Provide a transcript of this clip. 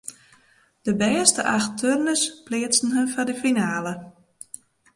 De bêste acht turners pleatsten har foar de finale.